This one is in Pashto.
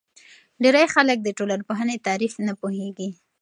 ډېری خلک د ټولنپوهنې تعریف نه پوهیږي.